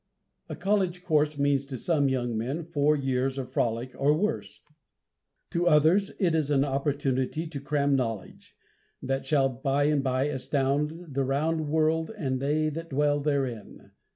A college course means to some young men four years of frolic, or worse. To others it is an opportunity to cram knowledge, that shall by and by astound the round world and they that dwell therein.